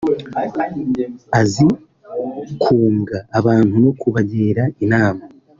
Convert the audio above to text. Azi kunga abantu no kubagira inama